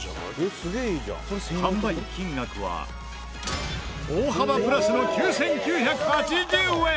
販売金額は大幅プラスの９９８０円！